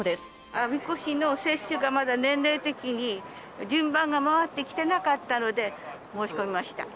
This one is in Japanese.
我孫子市の接種がまだ年齢的に順番が回ってきてなかったので、申し込みました。